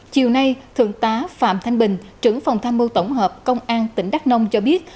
chiều nay thượng tá phạm thanh bình trưởng phòng tham mưu tổng hợp công an tỉnh đắk nông cho biết